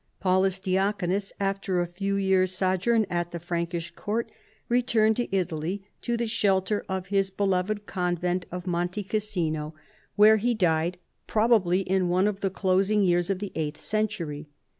Paulus Diaconus, after a few years' sojourn at the Frankish court, returned to Italy to the shelter of his beloved convent of Monte Cassino, where he OLD AGE. 291 died, probably in one of the closing years of the eighth century.